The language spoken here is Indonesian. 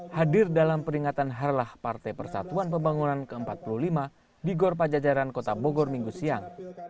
hadir dalam peringatan harlah partai persatuan pembangunan ke empat puluh lima di gor pajajaran kota bogor minggu siang